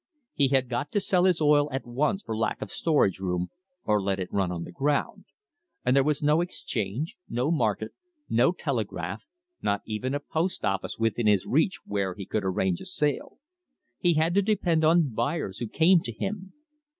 He had got to sell his oil at once for lack of storage room or let it run on the ground, and there was no exchange, no market, no telegraph, not even a post office within his reach where he could arrange a sale. He had to depend on buyers who came to him.